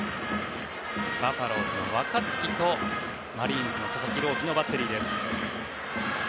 バファローズの若月とマリーンズの佐々木朗希のバッテリーです。